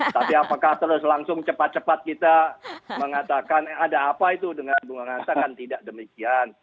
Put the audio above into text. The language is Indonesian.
tapi apakah terus langsung cepat cepat kita mengatakan ada apa itu dengan bunga hanta kan tidak demikian